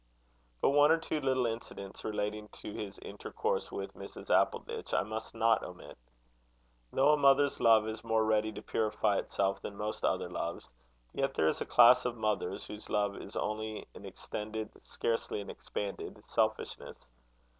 But one or two little incidents, relating to his intercourse with Mrs. Appleditch, I must not omit. Though a mother's love is more ready to purify itself than most other loves yet there is a class of mothers, whose love is only an extended, scarcely an expanded, selfishness.